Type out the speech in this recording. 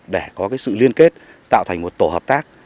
để có sự liên kết tạo thành một tổ hợp tác